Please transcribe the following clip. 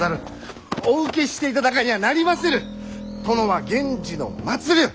殿は源氏の末流！